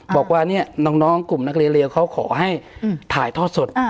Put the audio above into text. บอกว่าเนี่ยน้องกลุ่มนักเรียนเขาขอให้ถ่ายทอดสด